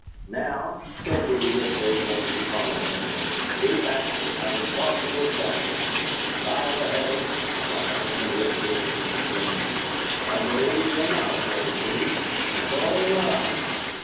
"Now," said he, as they made to follow him, "keep back. I would talk to this gentleman. By the heavens," he cried, when he had gained the room, "I believe you are not afraid of me. I saw it in your eyes."